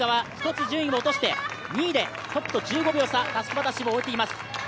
１つ順位を落として２位でトップと１５秒差、たすき渡しを終えています。